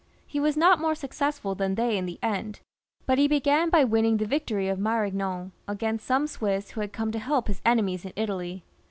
He was not more successful than they in the end, but he began by winning the victory of Marignan* against some Swiss who had come to help his enemies in Italy.